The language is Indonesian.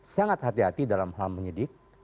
sangat hati hati dalam hal menyidik